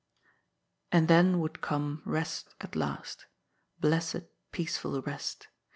And then would come rest at last. Blessed, peaceful rest.